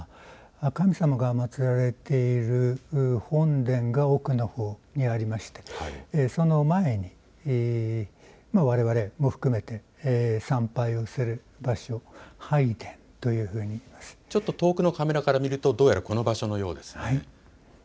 神様が祭られている本殿が奥のほうにありまして、その前にわれわれも含めて参拝をする拝殿、ちょっと遠くのカメラから見るとこの場所のようですね。